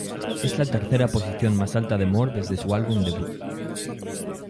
Es la tercera posición más alta de Moore desde su álbum debut.